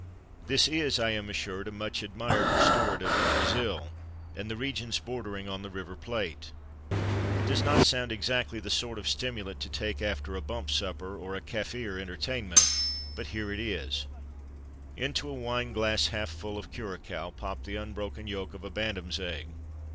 _ This is, I am assured, a much admired restorative in Brazil, and the regions bordering on the River Plate. It does not sound exactly the sort of stimulant to take after a "bump supper," or a "Kaffir" entertainment, but here it is: Into a wine glass half full of curaçoa pop the unbroken yolk of a bantam's egg.